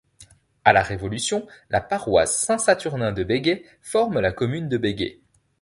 À la Révolution, la paroisse Saint-Saturnin de Béguey forme la commune de Béguey.